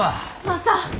マサ！